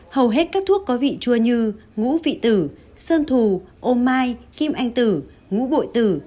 hầu hết các thuốc có vị chua như ngũ vị tử sơn thù ô mai kim anh tử ngũ bội tử